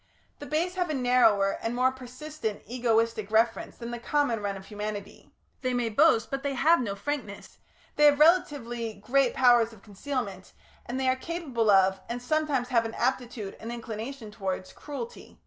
The Base have a narrower and more persistent egoistic reference than the common run of humanity; they may boast, but they have no frankness; they have relatively great powers of concealment, and they are capable of, and sometimes have an aptitude and inclination towards, cruelty.